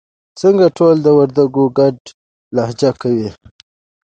ځکه ټول د وردگو گډه لهجه کوي.